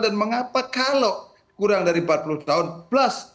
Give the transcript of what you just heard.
dan mengapa kalau kurang dari empat puluh tahun plus